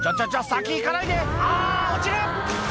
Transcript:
先行かないであ落ちる！